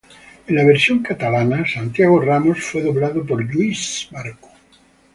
En la versión catalana Santiago Ramos fue doblado por Lluís Marco.